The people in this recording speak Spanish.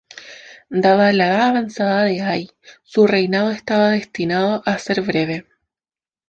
Dada la edad avanzada de Ay, su reinado estaba destinado a ser breve.